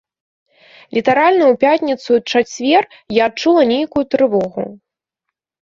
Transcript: Літаральна ў пятніцу-чацвер я адчула нейкую трывогу.